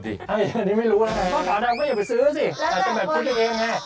อันนี้ไม่รู้นะขาวดำก็อย่าไปซื้อสิ